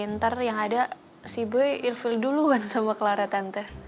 ntar yang ada si b irful duluan sama clara tante